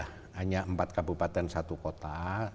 hanya empat kabupaten satu kota